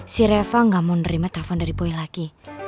si reva gak mau nerima telfon dari boy lagi